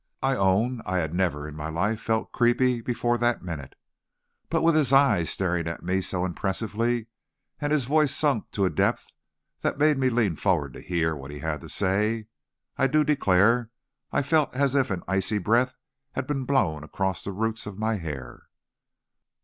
I own I had never in my life felt creepy before that minute. But with his eyes staring at me so impressively, and his voice sunk to a depth that made me lean forward to hear what he had to say, I do declare I felt as if an icy breath had been blown across the roots of my hair.